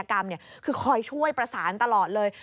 กรรมคือคอยช่วยประสานตลอดเลย